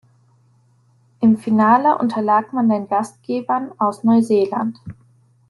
Im Finale unterlag man den Gastgebern aus Neuseeland.